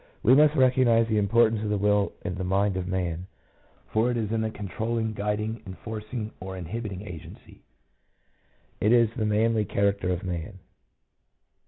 We must recognize the importance of the will in the mind of man, for it is the con trolling, guiding, enforcing, or inhibiting agency — it is the manly character of man.